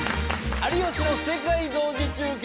『有吉の世界同時中継